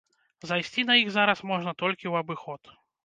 Зайсці на іх зараз можна толькі ў абыход.